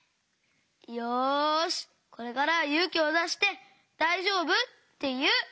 よしこれからはゆうきをだして「だいじょうぶ？」っていう！